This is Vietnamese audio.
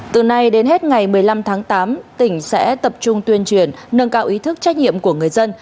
từ nay đến hết ngày một mươi năm tháng tám tỉnh sẽ tập trung tuyên truyền nâng cao ý thức trách nhiệm của người dân